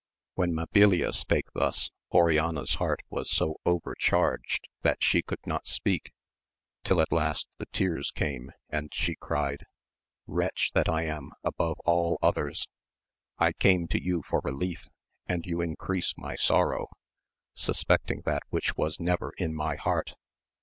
When Mabilia spake thus Oriana's heart was so overcharged that she could not speak, till at last the tears came, and she cried . Wretch that I am above all others ! I came to you for relief and you increase my sorrow, suspecting that which was never in my heart